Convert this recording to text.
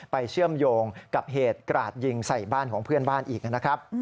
เชื่อมโยงกับเหตุกราดยิงใส่บ้านของเพื่อนบ้านอีกนะครับ